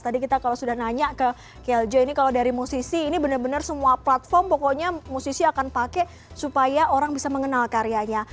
tadi kita kalau sudah nanya ke keljo ini kalau dari musisi ini benar benar semua platform pokoknya musisi akan pakai supaya orang bisa mengenal karyanya